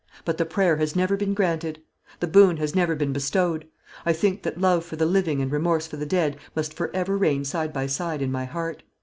But the prayer has never been granted; the boon has never been bestowed. I think that love for the living and remorse for the dead must for ever reign side by side in my heart.